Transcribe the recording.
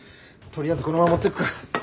とりあえずこのまま持ってくか。